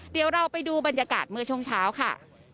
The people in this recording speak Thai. เดี๋ยวเราไปดูบรรยากาศเมื่อช่วงเช้าค่ะ